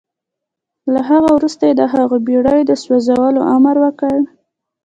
له هغه وروسته يې د هغو بېړيو د سوځولو امر وکړ.